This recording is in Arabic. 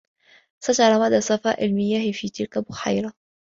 سترى مدى صفاء المياه في تلك البحيرة.